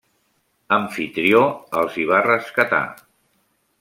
Amfitrió els hi va rescatar.